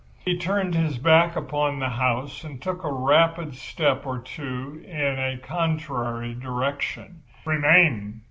He turned his back upon the house and took a rapid step or two in a contrary direction. "Remain!"